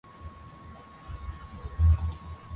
uvumilivu wao una kikomo na imeshutumu marekani